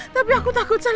tapi aku takut sal